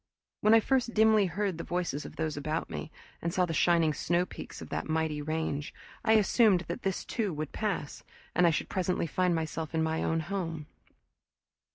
When I first dimly heard the voices of those about me, and saw the shining snowpeaks of that mighty range, I assumed that this too would pass, and I should presently find myself in my own home.